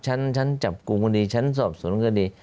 ฉันจับกูก็ดีฉันสอบสนก็ดี